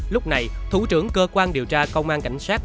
lúc này thủ trưởng cơ quan điều tra công an cảnh sát